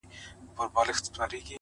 تا داسې زه غوښتنه خپله دا دی خواره سوې!!